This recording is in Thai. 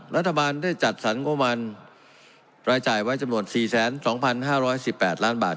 รัฐบาลได้จัดสรรงบประมาณรายจ่ายไว้จำนวน๔๒๕๑๘ล้านบาท